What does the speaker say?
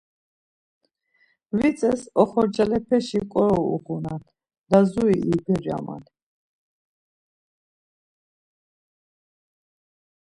Vitzes Oxorcalepeşi ǩoro uğunan, Lazuri ibiraman.